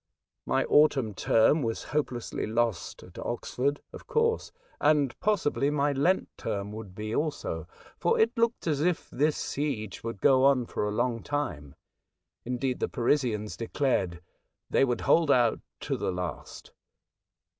My autumn term was hopelessly lost at Oxford, of 12 A Voyage to Other Worlds, course, and possibly my Lent term would be also, for it looked as if this siege would go on for a long time ; indeed, the Parisians declared they would hold out to the last.